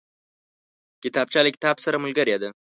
کتابچه له کتاب سره ملګرې ده